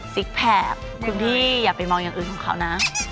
แพคคุณพี่อย่าไปมองอย่างอื่นของเขานะ